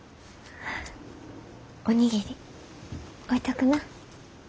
お握り置いとくな。